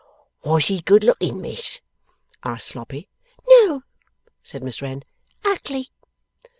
'Was he good looking, Miss?' asked Sloppy. 'No,' said Miss Wren. 'Ugly.